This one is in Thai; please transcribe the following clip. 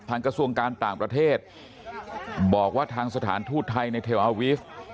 กระทรวงการต่างประเทศบอกว่าทางสถานทูตไทยในเทลอาวีฟ